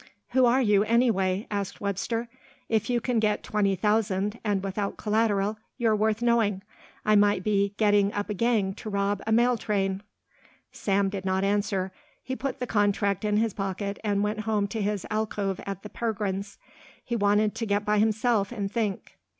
"Who are you anyway?" asked Webster. "If you can get twenty thousand and without collateral you're worth knowing. I might be getting up a gang to rob a mail train." Sam did not answer. He put the contract in his pocket and went home to his alcove at the Pergrins. He wanted to get by himself and think.